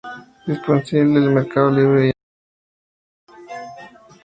Disponible en Mercado Libre y Amazon.